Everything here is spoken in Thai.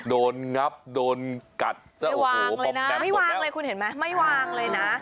งับโดนกัดซะวางเลยนะไม่วางเลยคุณเห็นไหมไม่วางเลยนะ